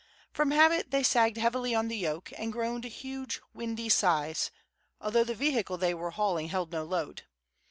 From habit they sagged heavily on the yoke, and groaned huge windy sighs, although the vehicle they were hauling held no load.